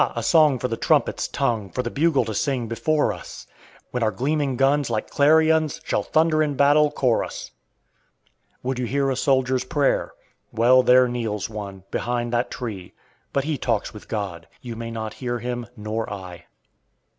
a song for the trumpet's tongue! For the bugle to sing before us, When our gleaming guns, like clarions, Shall thunder in battle chorus!" Would you hear a soldier's prayer? Well, there kneels one, behind that tree, but he talks with God: you may not hear him nor I!